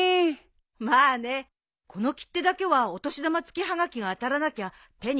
まあねこの切手だけはお年玉付きはがきが当たらなきゃ手に入らないからね。